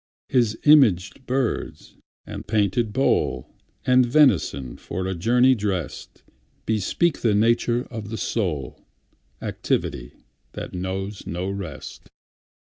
His imaged birds, and painted bowl, And venison, for a journey dressed, Bespeak the nature of the soul, Activity, that wants no rest.